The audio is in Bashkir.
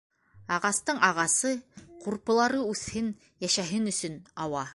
Ағастың ағасы, ҡурпылары үҫһен, йәшәһен өсөн ауа...